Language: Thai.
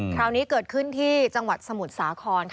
คราวนี้เกิดขึ้นที่จังหวัดสมุทรสาคร